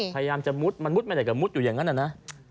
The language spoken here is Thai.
พยายามจะมุดมันมุดไม่ได้ก็มุดอยู่อย่างนั้นนะ